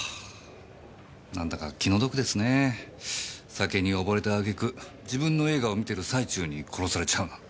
酒に溺れた揚げ句自分の映画を観てる最中に殺されちゃうなんて。